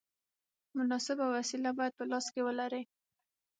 مناسبه وسیله باید په لاس کې ولرې.